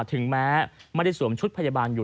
ถึงแม้ไม่ได้สวมชุดพยาบาลอยู่